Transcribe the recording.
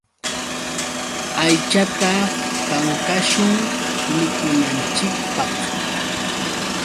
Aychata kankashun mikunanchikpaq.